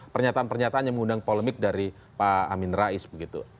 pernyataan pernyataan yang mengundang polemik dari pak amin rais begitu